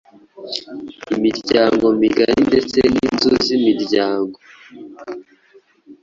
imiryango migari ndetse n’inzu z’imiryango.